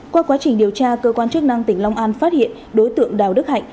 qua quá trình điều tra cơ quan chức năng tỉnh long an phát hiện đối tượng đào đức hạnh